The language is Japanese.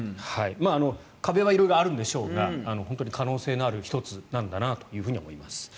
壁は色々あるんでしょうが可能性のある１つなんだなと思います。